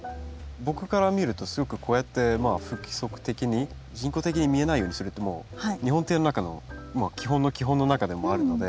僕から見るとすごくこうやって不規則的に人工的に見えないようにするってもう日本庭園の中の基本の基本の中でもあるので。